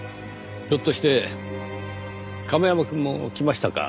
ひょっとして亀山くんも来ましたか？